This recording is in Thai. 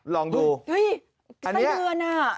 ลองดูอันนี้เฮ้ยไส้เดือนน่ะ